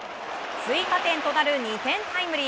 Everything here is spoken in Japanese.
追加点となる２点タイムリー。